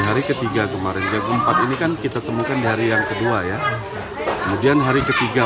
hari ketiga kemarin jam empat ini kan kita temukan hari yang kedua ya kemudian hari ketiga